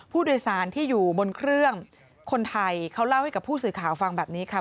ผู้โดยสารที่อยู่บนเครื่องคนไทยเขาเล่าให้กับผู้สื่อข่าวฟังแบบนี้ค่ะ